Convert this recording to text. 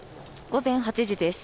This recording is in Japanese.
午前８時です。